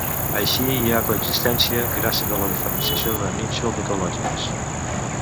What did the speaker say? Així, hi ha coexistència gràcies a la diferenciació dels nínxols ecològics.